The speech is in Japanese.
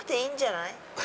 いいんじゃない？